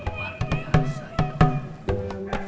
luar biasa idoy